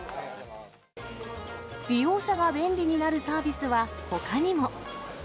利用者が便利になるサービスはほかにも。